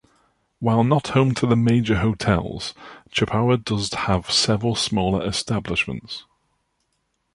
While not home to the major hotels, Chippawa does have several smaller establishments.